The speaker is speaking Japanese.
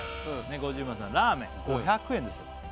五十番さんのラーメン５００円ですよ